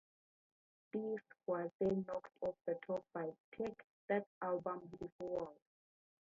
This was then knocked off the top by Take That's album Beautiful World.